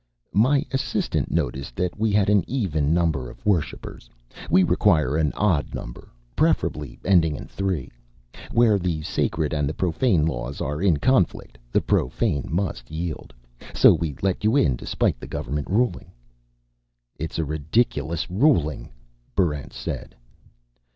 "My assistant noticed that we had an even number of worshipers. We require an odd number, preferably ending in three. Where the sacred and the profane laws are in conflict, the profane must yield. So we let you in despite the government ruling." "It's a ridiculous ruling," Barrent said.